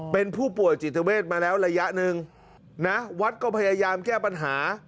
เป็นผู้ป่วยจิตเวทมาแล้วระยะหนึ่งนะวัดก็พยายามแก้ปัญหา